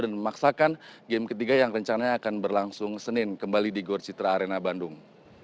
dan memaksakan game ketiga yang rencananya akan berlangsung senin kembali di gorjitra arena bandung